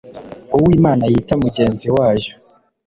uwo Imana yita "Mugenzi wayo,"